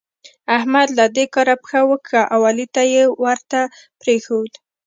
احمد له دې کاره پښه وکښه او علي يې ورته پرېښود.